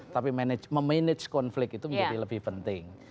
tapi memanage konflik itu menjadi lebih penting